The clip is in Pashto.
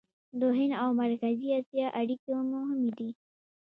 د هند او مرکزي اسیا اړیکې مهمې دي.